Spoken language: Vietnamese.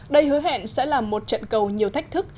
đây hứa hẹn sẽ là một trận cầu nhiều thách thức